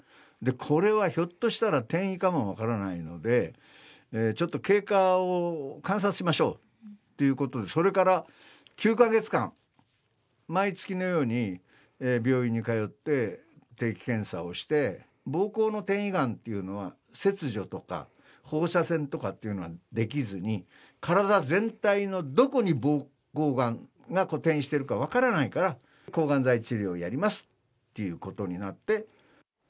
これはひょっとしたら転移かも分からないので、ちょっと経過を観察しましょうということで、それから９か月間、毎月のように病院に通って、定期検査をして、ぼうこうの転移がんっていうのは、切除とか放射線とかっていうのはできずに、体全体のどこにぼうこうがんが転移してるか分からないから、抗がん剤治療やりますっていうことになって。